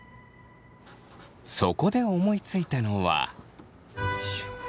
そこで思いついたのは。